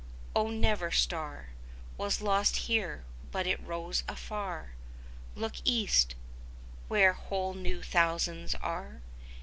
Oh, never star 100 Was lost here, but it rose afar! Look East, where whole new thousands are!